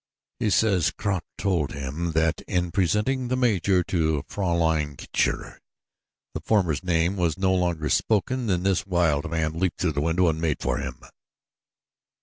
He says Kraut told him that in presenting the major to Fraulein Kircher the former's name was no sooner spoken than this wild man leaped through the window and made for him."